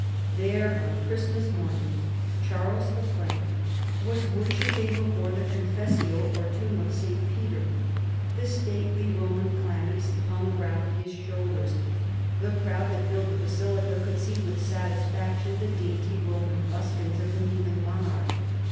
There, on Christmas morning, Charles the Frank was worshipping before the Confessio or tomb of St. Peter. The stately Poraan chiamys hung around his CAROLUS AUGUSTUS. 261 shoulders; the crowd that filled the basilica could see with satisfaction the dainty Roman buskins of the kneeling monarch.